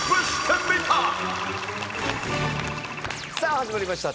さあ始まりました